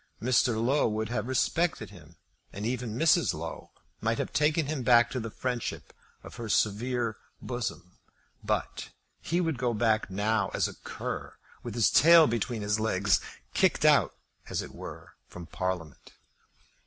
Mr. Low would have respected him, and even Mrs. Low might have taken him back to the friendship of her severe bosom. But he would go back now as a cur with his tail between his legs, kicked out, as it were, from Parliament.